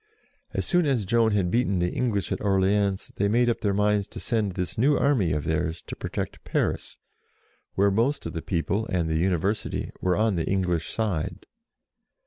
As soon as Joan had beaten the English at Orleans, they made up their minds to send this new army of theirs to protect Paris, where most of the people, and the University, were on the English side.